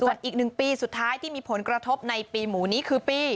ส่วนอีก๑ปีสุดท้ายที่มีผลกระทบในปีหมูนี้คือปี